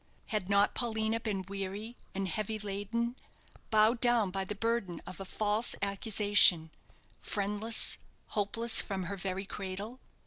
Had not Paulina been "weary, and heavy laden," bowed down by the burden of a false accusation, friendless, hopeless, from her very cradle?